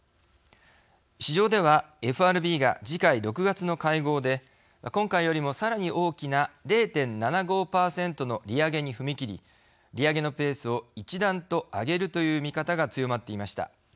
市場では、ＦＲＢが次回、６月の会合で今回よりもさらに大きな０．７５％の利上げに踏み切り利上げのペースを一段と上げるという見方が強まっていました。